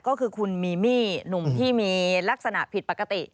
ก็คือคุณมีมี่หนุ่มที่มีลักษณะผิดปกติ